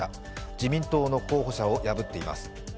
自民党の候補者を破っています。